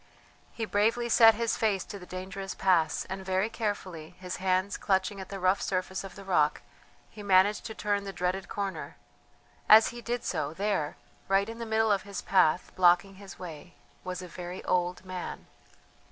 He bravely set his face to the dangerous pass, and very carefully, his hands clutching at the rough surface of the rock, he managed to turn the dreaded corner; as he did so, there, right in the middle of his path, blocking his way, was a very old man.